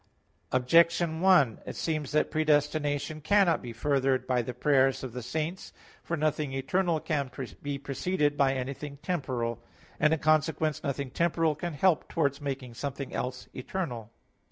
Objection 1: It seems that predestination cannot be furthered by the prayers of the saints. For nothing eternal can be preceded by anything temporal; and in consequence nothing temporal can help towards making something else eternal.